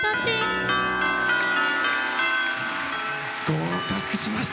合格しました。